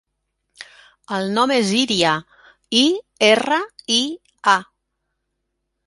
El nom és Iria: i, erra, i, a.